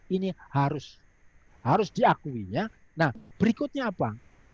ini harus diakuinya nah berikutnya apa